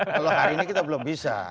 kalau hari ini kita belum bisa